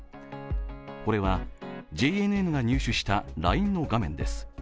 これはＪＮＮが入手したＬＩＮＥの画面です。